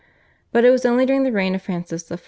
But it was only during the reign of Francis I.